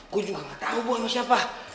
gue juga gak tahu bu sama siapa